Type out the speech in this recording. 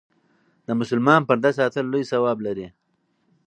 د مسلمان پرده ساتل لوی ثواب لري.